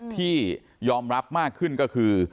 ที่ยอมรับมากขึ้นก็คือ